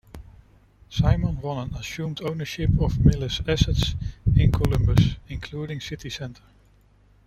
Simon won and assumed ownership of Mills' assets in Columbus, including City Center.